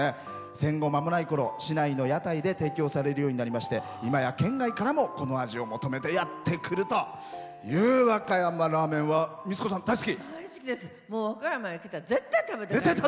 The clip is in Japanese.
戦後まもないころ市内の屋台で提供されるようになりましていまや県外からこの味を求めてやってくるという和歌山ラーメンは美律子さん大好き？